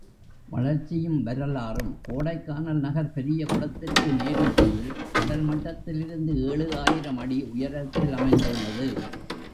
வளர்ச்சியும் வரலாறும் கோடைக்கானல் நகர் பெரியகுளத்திற்கு நேர் உச்சியில் கடல் மட்டத்திலிருந்து ஏழு ஆயிரம் அடி உயரத்திலமைந்துள்ளது.